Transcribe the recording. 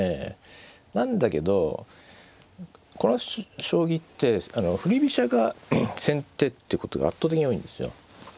なんだけどこの将棋って振り飛車が先手っていうことが圧倒的に多いんですよ。